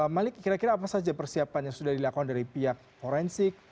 malik kira kira apa saja persiapan yang sudah dilakukan dari pihak forensik